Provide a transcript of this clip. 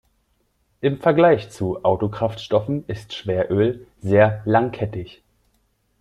Im Vergleich zu Autokraftstoffen ist Schweröl sehr langkettig.